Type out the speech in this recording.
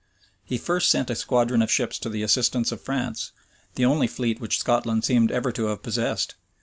He first sent a squadron of ships to the assistance of France; the only fleet which Scotland seems ever to have possessed.